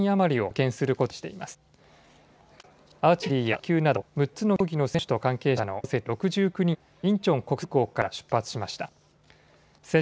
きょうはアーチェリーや卓球など６つの競技の選手と関係者の合わせて６９人がインチョン国際空港から出発しました。